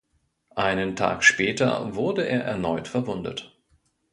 Einen Tag später wurde er erneut verwundet.